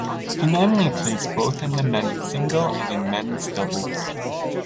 He normally plays both in the men's singles and in men's doubles.